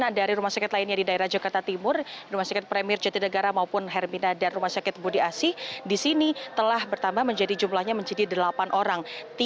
karena dari rumah sakit lainnya di daerah jakarta timur rumah sakit premier jatidegara maupun hermina dan rumah sakit budi asih di sini telah bertambah jumlahnya menjadi delapan orang